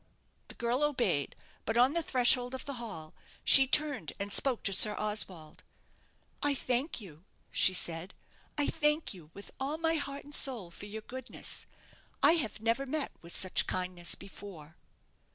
The girl obeyed; but on the threshold of the hall she turned and spoke to Sir Oswald. "I thank you," she said; "I thank you with all my heart and soul for your goodness. I have never met with such kindness before."